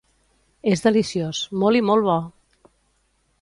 És deliciós, molt i molt bo!